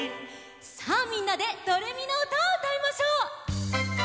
さあみんなで「ドレミのうた」をうたいましょう！